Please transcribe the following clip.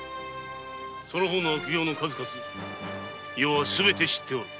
その方の悪業の数々余はすべて知っておる。